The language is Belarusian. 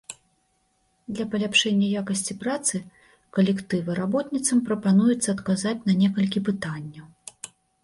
Для паляпшэння якасці працы калектыва работніцам прапануецца адказаць на некалькі пытанняў.